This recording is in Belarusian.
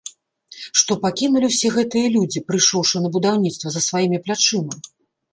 Што пакінулі ўсе гэтыя людзі, прыйшоўшы на будаўніцтва, за сваімі плячыма?